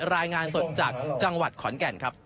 รายงานสดจากจังหวัดขอนแก่นครับ